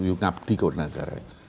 you ngabdi kepada negara you